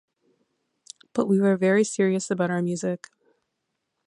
But we were very serious about our music.